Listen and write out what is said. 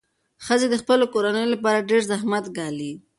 ښځې د خپلو کورنیو لپاره ډېر زحمت ګالي.